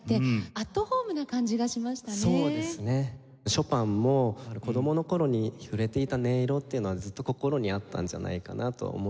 ショパンも子どもの頃に触れていた音色っていうのはずっと心にあったんじゃないかなと思って。